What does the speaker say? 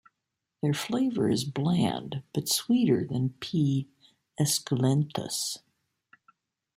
Their flavor is bland but sweeter than P. esculentus.